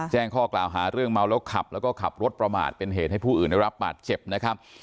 แจ้งข้อกล่าวหาเรื่องเมาแล้วขับแล้วก็ขับรถประมาทเป็นเหตุให้ผู้อื่นได้รับบาดเจ็บนะครับ